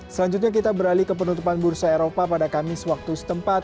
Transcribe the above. selanjutnya kita beralih ke penutupan bursa eropa pada kamis waktu setempat